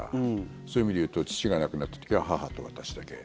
そういう意味で言うと父が亡くなった時は母と私だけ。